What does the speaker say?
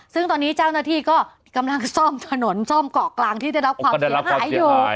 ซึ่งตอนนี้เจ้าหน้าที่ก็กำลังซ่อมถนนซ่อมเกาะกลางที่ได้รับความเสียหายอยู่